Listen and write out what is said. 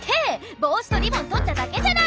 帽子とリボンとっただけじゃない！